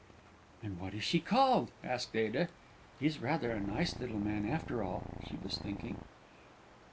"And what is she called?" asked Ada. ("He's rather a nice little man, after all!" she was thinking.)